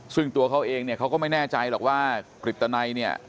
ซึ่งตัวเขาเองเนี่ยเขาก็ไม่แน่ใจหรอกว่ากฤตนัยเนี่ย